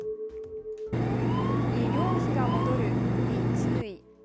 医療費が戻るに注意。